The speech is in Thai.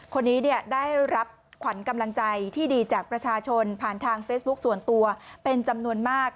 คนนี้ได้รับขวัญกำลังใจที่ดีจากประชาชนผ่านทางเฟซบุ๊คส่วนตัวเป็นจำนวนมาก